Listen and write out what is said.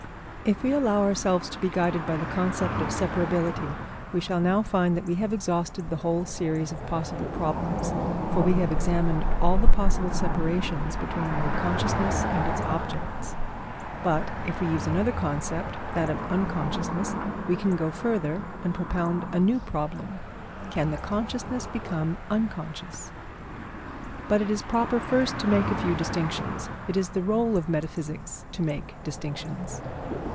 If we allow ourselves to be guided by the concept of separability, we shall now find that we have exhausted the whole series of possible problems, for we have examined all the possible separations between the consciousness and its objects; but if we use another concept, that of unconsciousness, we can go further and propound a new problem: can the consciousness become unconscious? But it is proper first to make a few distinctions. It is the rôle of metaphysics to make distinctions.